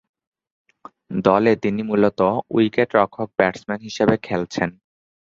দলে তিনি মূলতঃ উইকেট-রক্ষক-ব্যাটসম্যান হিসেবে খেলছেন।